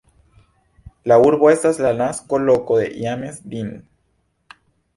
La urbo estas la nasko-loko de James Dean.